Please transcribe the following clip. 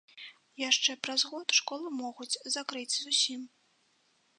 Яшчэ праз год школу могуць закрыць зусім.